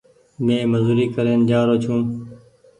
مينٚ مزوري ڪرين جآرو ڇو